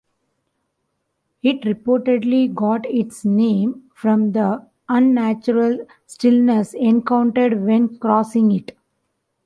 It reportedly got its name from the unnatural stillness encountered when crossing it.